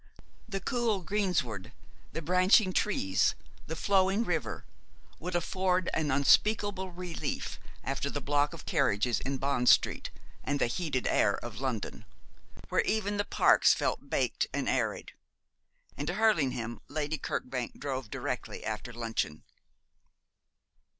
The cool greensward, the branching trees, the flowing river, would afford an unspeakable relief after the block of carriages in Bond Street and the heated air of London, where even the parks felt baked and arid; and to Hurlingham Lady Kirkbank drove directly after luncheon.